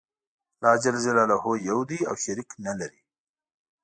الله ج یو دی او شریک نلری.